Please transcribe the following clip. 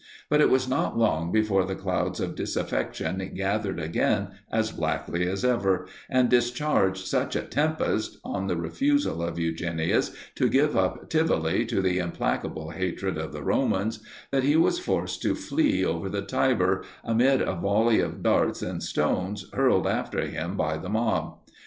But it was not long before the clouds of disaffection gathered again as blackly as ever, and discharged such a tempest, on the refusal of Eugenius to give up Tivoli to the implacable hatred of the Romans, that he was forced to flee over the Tiber, amid a volley of darts and stones, hurled after him by the mob.